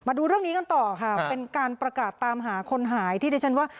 ดูเรื่องนี้กันต่อค่ะเป็นการประกาศตามหาคนหายที่ดิฉันว่า